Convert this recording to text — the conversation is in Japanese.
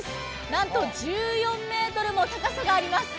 なんと１４ｍもの高さがあります。